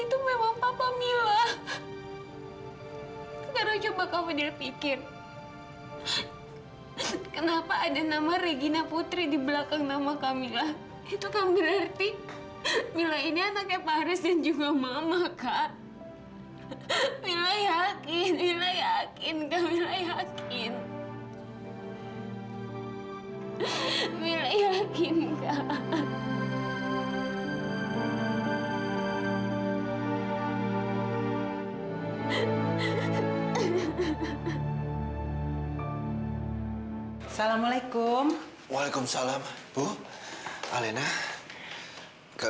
terima kasih ya alena